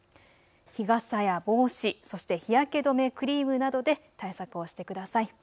日傘や帽子、そして日焼け止めクリームなどで対策をしてください。